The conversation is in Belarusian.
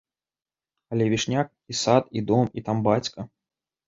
Але вішняк, і сад, і дом, і там бацька.